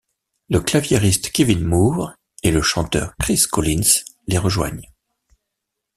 Le claviériste Kevin Moore et le chanteur Chris Collins les rejoignent.